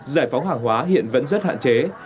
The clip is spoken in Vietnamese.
giải phóng hàng hóa hiện vẫn rất hạn chế